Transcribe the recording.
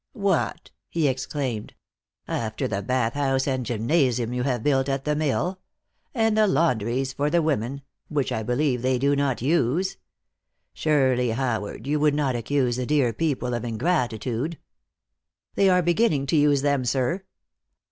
"What!" he exclaimed, "after the bath house and gymnasium you have built at the mill? And the laundries for the women which I believe they do not use. Surely, Howard, you would not accuse the dear people of ingratitude?" "They are beginning to use them, sir."